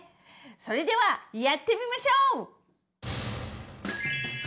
それではやってみましょう！